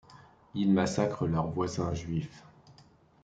Ils massacres leur voisins juifs.